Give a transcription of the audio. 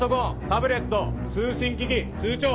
タブレット通信機器通帳